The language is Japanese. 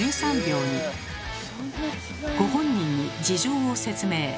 ご本人に事情を説明。